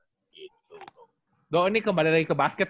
gitu dok ini kembali lagi ke basket